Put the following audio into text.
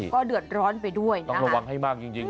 ก็เดือดร้อนไปด้วยนะต้องระวังให้มากจริง